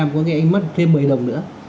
có nghĩa là anh mất thêm một mươi đồng nữa